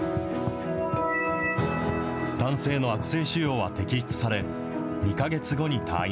男性の悪性腫瘍は摘出され、２か月後に退院。